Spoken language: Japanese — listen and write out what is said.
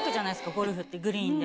ゴルフってグリーンで。